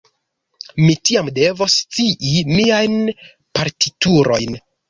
Mi tiam devos scii miajn partiturojn.